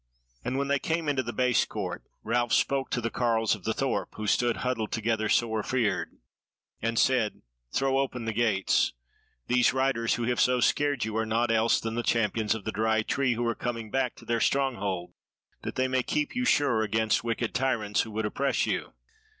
And when they came into the Base court, Ralph spoke to the carles of the thorp, who stood huddled together sore afeard, and said: "Throw open the gates. These riders who have so scared you are naught else than the Champions of the Dry Tree who are coming back to their stronghold that they may keep you sure against wicked tyrants who would oppress you."